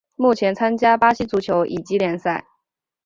目前参加巴西足球乙级联赛。